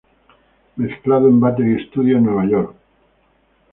Mezclado en Battery Studio, New York.